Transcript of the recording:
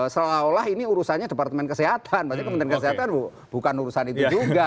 seolah olah ini urusannya departemen kesehatan maksudnya kementerian kesehatan bukan urusan itu juga